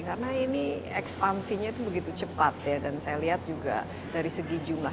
karena ini ekspansinya itu begitu cepat ya dan saya lihat juga dari segi jumlah